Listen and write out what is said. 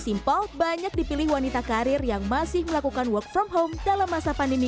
simpel banyak dipilih wanita karir yang masih melakukan work from home dalam masa pandemi